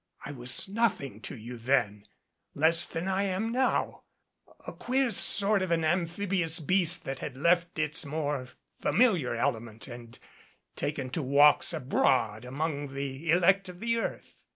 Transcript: I was nothing to you then less than I am now a queer sort of an amphibious beast that had left its more familiar element and taken to walks abroad among the elect of the earth.